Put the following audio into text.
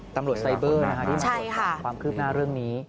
ตำรวจไซเบอร์นะคะความคืบหน้าเรื่องนี้นี่ค่ะใช่ค่ะ